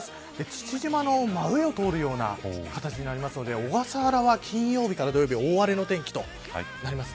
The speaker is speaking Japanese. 父島の真上を通るような形になるので小笠原は金曜日から土曜日大荒れの天気となります。